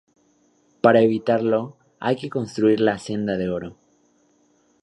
Para evitarlo, hay que construir la Senda de Oro.